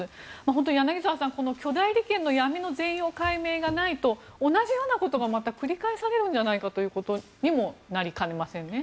本当に柳澤さん巨大利権の闇の全容解明がないと同じようなことがまた繰り返されるんじゃないかということにもなりかねませんね。